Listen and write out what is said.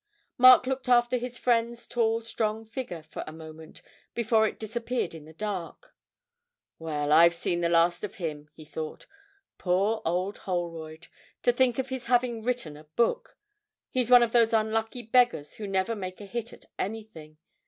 Mark looked after his friend's tall strong figure for a moment before it disappeared in the dark. 'Well, I've seen the last of him,' he thought. 'Poor old Holroyd! to think of his having written a book he's one of those unlucky beggars who never make a hit at anything.